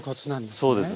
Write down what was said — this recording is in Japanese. そうですね。